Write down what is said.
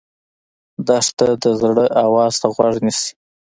دښته د زړه آواز ته غوږ نیسي.